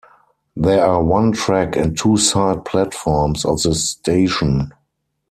There are one track and two side platforms at this station.